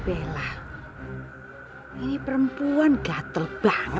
ini perempuan gatel banget